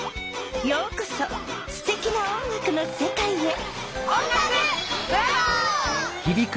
ようこそすてきな音楽のせかいへ！